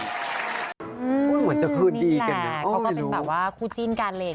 นี่แหละเขาก็เป็นแบบว่าคู่จิ้นกันเลย